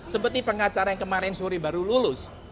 seperti pengacara yang kemarin sore baru lulus